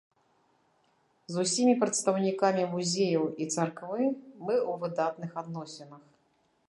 З усімі прадстаўнікамі музеяў і царквы мы ў выдатных адносінах.